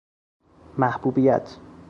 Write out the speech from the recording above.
محبوبیت